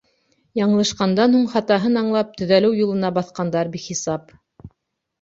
Яңылышҡандан һуң хатаһын аңлап, төҙәлеү юлына баҫҡандар бихисап.